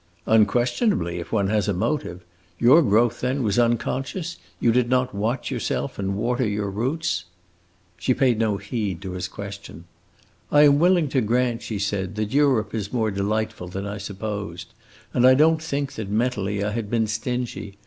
"Unquestionably, if one has a motive. Your growth, then, was unconscious? You did not watch yourself and water your roots?" She paid no heed to his question. "I am willing to grant," she said, "that Europe is more delightful than I supposed; and I don't think that, mentally, I had been stingy.